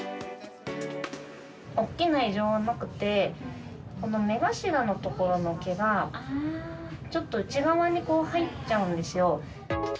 大きな異常はなくて、この目頭の所の毛が、ちょっと内側に入っちゃうんですよ。